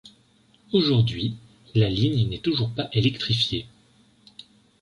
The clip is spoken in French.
Aujourd'hui, la ligne n'est toujours pas électrifiée.